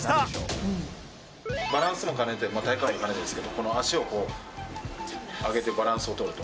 バランスも兼ねて体幹も兼ねてですけど足をこう上げてバランスを取ると。